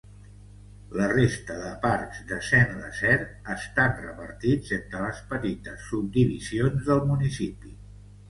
La resta de parcs de Saint-Lazare estan repartits entre les petites subdivisions del municipi.